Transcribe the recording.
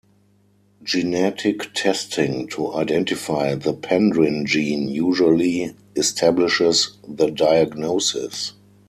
Genetic testing to identify the pendrin gene usually establishes the diagnosis.